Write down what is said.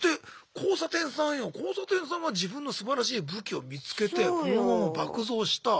交差点さんは自分のすばらしい武器を見つけてフォロワーも爆増した。